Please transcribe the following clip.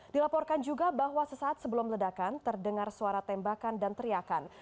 dilaporkan juga bahwa sesaat sebelum ledakan terdengar suara tembakan dan teriakan